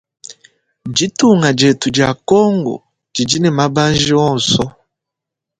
Ditunga dietu dia kongu didi ne mabanji onsu.